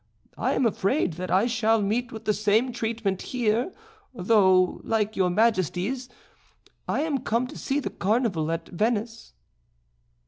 I am afraid that I shall meet with the same treatment here though, like your majesties, I am come to see the Carnival at Venice."